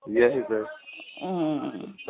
iya sih tante